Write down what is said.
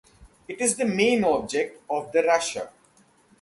It is the main object of the rusher.